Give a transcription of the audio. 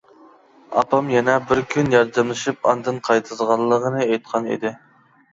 ئاپام يەنە بىر كۈن ياردەملىشىپ ئاندىن قايتىدىغانلىقىنى ئېيتقان ئىدى.